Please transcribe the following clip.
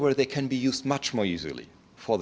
pada tahap di mana mereka dapat digunakan dengan lebih mudah